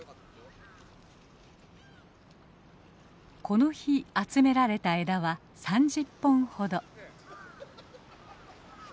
この日集められた枝は３０本ほど。